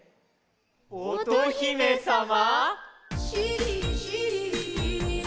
おとひめさま